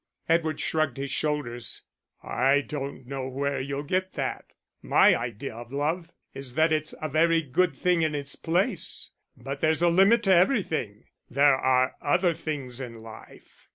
Edward shrugged his shoulders. "I don't know where you'll get that. My idea of love is that it's a very good thing in its place but there's a limit to everything. There are other things in life."